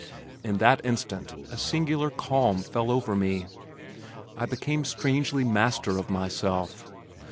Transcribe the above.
In that instant a singular calm fell over me, I became strangely master of myself.